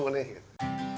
oke makanya dulu kita mulai